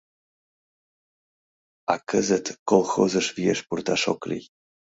А кызыт колхозыш виеш пурташ ок лий.